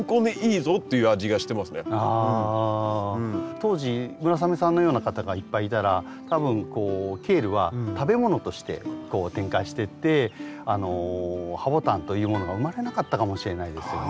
当時村雨さんのような方がいっぱいいたら多分こうケールは食べ物として展開してってハボタンというものが生まれなかったかもしれないですよね。